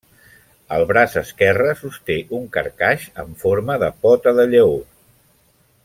El braç esquerre sosté, un carcaix amb forma de pota de lleó.